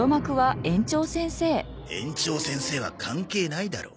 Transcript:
園長先生は関係ないだろ。